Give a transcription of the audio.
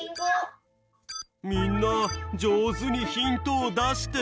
みんなじょうずにヒントをだして。